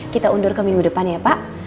kita undur ke minggu depan ya pak